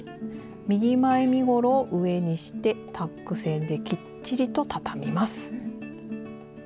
右前身ごろを上にしてタック線できっちりとたたみます。